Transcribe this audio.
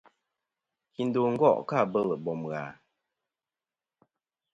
Kindo gò' kɨ abɨl bom ghà?